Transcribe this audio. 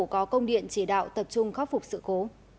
có công điện chỉ đạo tập trung khắc phục sự cố